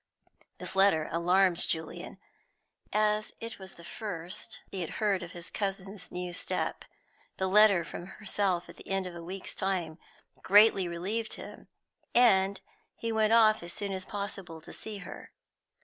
This letter alarmed Julian, as it was the first he had heard of his cousin's new step; the letter from herself at the end of a week's time greatly relieved him, and he went off as soon as possible to see her.